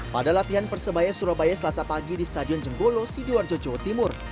pada latihan persebaya surabaya selasa pagi di stadion jenggolo sidoarjo jawa timur